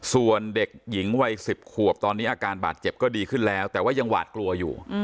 ส่วนเด็กหญิงวัย๑๐ขวบตอนนี้อาการบาดเจ็บก็ดีขึ้นแล้วแต่ว่ายังหวาดกลัวอยู่